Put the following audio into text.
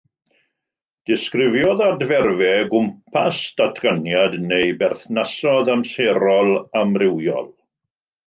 Disgrifiodd adferfau gwmpas datganiad neu berthnasoedd amserol amrywiol.